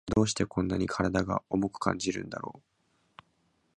月曜日の朝って、どうしてこんなに体が重く感じるんだろう。